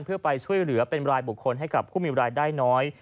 เพื่อไปช่วยเหลือเป็นรายบุคคลให้กับผู้มีรายได้น้อย